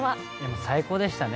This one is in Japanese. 最高でしたね。